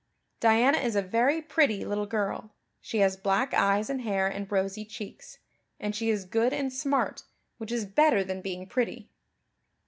"Diana is a very pretty little girl. She has black eyes and hair and rosy cheeks. And she is good and smart, which is better than being pretty."